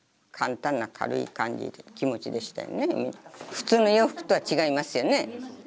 普通の洋服とは違いますよね。